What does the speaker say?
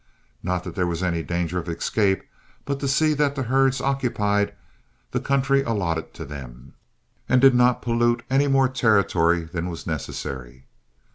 Not that there was any danger of escape, but to see that the herds occupied the country allotted to them, and did not pollute any more territory than was necessary.